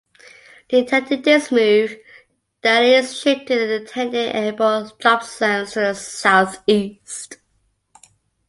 Detecting this move, the Allies shifted their intended airborne drop zones to the southeast.